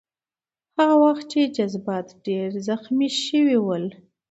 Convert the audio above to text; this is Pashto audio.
هغه وخت یې جذبات ډېر زخمي شوي ول.